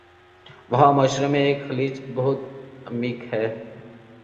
وہاں معاشرے میں ایک خلیج بہت عمیق ہے